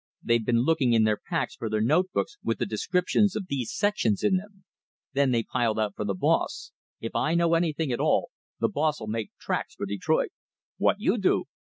They've been looking in their packs for their note books with the descriptions of these sections in them. Then they piled out for the boss. If I know anything at all, the boss'll make tracks for Detroit." "W'ot you do?"